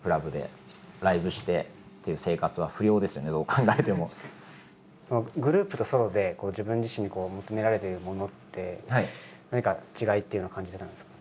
だってグループとソロで自分自身に求められているものって何か違いっていうのは感じてたんですか？